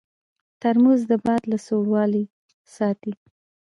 ترموز د باد له سړوالي ساتي.